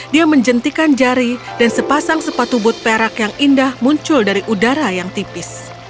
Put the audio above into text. dia menjentikan jari dan sepasang sepatu but perak yang indah muncul dari udara yang tipis